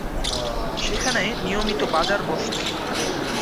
সেখানে নিয়মিত বাজার বসত।